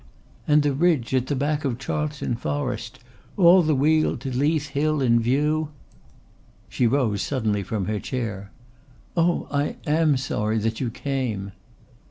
"And the ridge at the back of Charlton forest, all the weald to Leith Hill in view?" She rose suddenly from her chair. "Oh, I am sorry that you came."